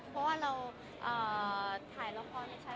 เพราะว่าเราก็ดีใจนะ